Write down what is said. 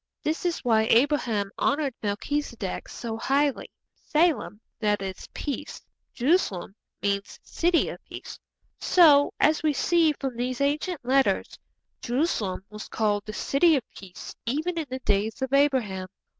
This is why Abraham honoured Melchizedek so highly. 'Salem that is, peace. 'Jeru salem' means city of peace. So, as we see from these ancient letters, Jerusalem was called the city of peace even in the days of Abraham.